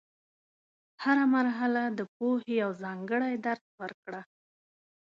هره مرحله د پوهې یو ځانګړی درس ورکړه.